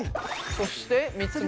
そして３つ目が。